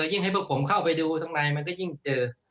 ยิ่งให้พวกผมเข้าไปดูข้างในมันก็ยิ่งเจอ